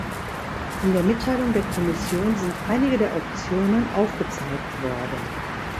In der Mitteilung der Kommission sind einige der Optionen aufgezeigt worden.